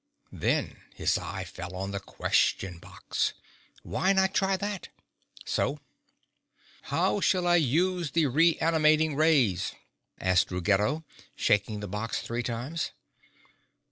Then his eye fell on the Question Box. Why not try that? So, "How shall I use the Re animating Rays?" asked Ruggedo, shaking the box three times.